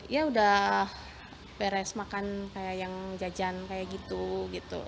ya udah beres makan kayak yang jajan kayak gitu gitu